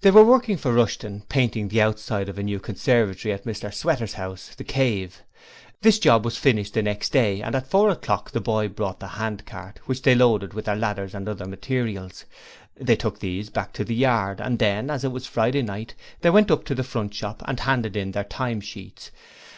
They were working for Rushton painting the outside of a new conservatory at Mr Sweater's house, 'The Cave'. This job was finished the next day and at four o'clock the boy brought the handcart, which they loaded with their ladders and other materials. They took these back to the yard and then, as it was Friday night, they went up to the front shop and handed in their time sheets.